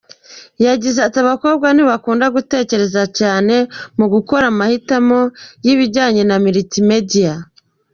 Yagize ati “Abakobwa ntibakunda gutekereza cyane mu gukora amahitamo y’ibijyanye na multimedia.